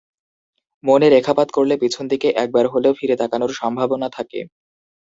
মনে রেখাপাত করলে পিছন দিকে একবার হলেও ফিরে তাকানোর সম্ভাবনা থাকে।